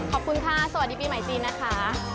ขอบคุณค่ะสวัสดีปีใหม่จีนนะคะ